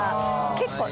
結構。